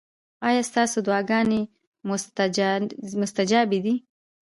ایا ستاسو دعاګانې مستجابې دي؟